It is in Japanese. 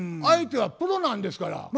相手はプロなんですから。